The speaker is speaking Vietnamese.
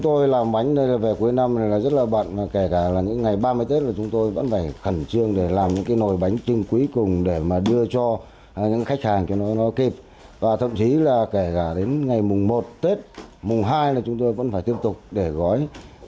thậm chí là kể cả đến ngày mùng một tết mùng hai là chúng tôi vẫn phải tiếp tục để gói